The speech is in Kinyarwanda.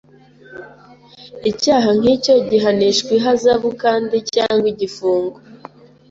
Icyaha nkicyo gihanishwa ihazabu kandi / cyangwa igifungo.